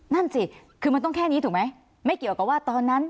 นั่นสิคือมันต้องแค่นี้ถูกไหมไม่เกี่ยวกับว่าตอนนั้น